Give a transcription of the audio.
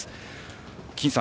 金さん